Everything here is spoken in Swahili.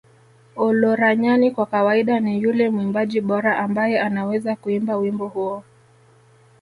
Olaranyani kwa kawaida ni yule mwimbaji bora ambaye anaweza kuimba wimbo huo